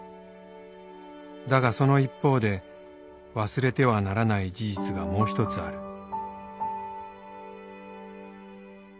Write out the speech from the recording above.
「だがその一方で忘れてはならない事実がもう一つある」